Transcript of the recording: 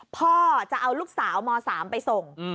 พ่อจะเอาลูกสาวม๓ไปส่ง